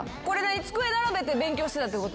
机並べて勉強してたってこと？